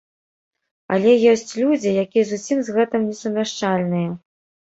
Але ёсць людзі, якія зусім з гэтым не сумяшчальныя.